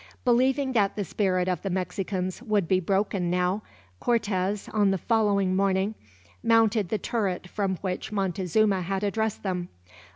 Believing that the spirit of the Mexicans would be broken now, Cortez, on the following morning, mounted the turret from which Montezuma had addressed them.